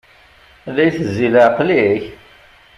La itezzi leɛqel-ik?